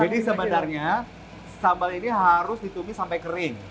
jadi sebenarnya sambal ini harus ditumis sampai kering